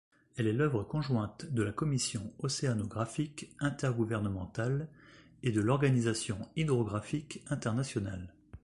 Elle est l'œuvre conjointe de la Commission océanographique intergouvernementale et de l'Organisation hydrographique internationale.